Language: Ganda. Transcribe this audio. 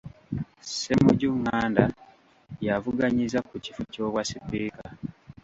Ssemujju Nganda y'avuganyizza ku kifo ky'obwasipiika.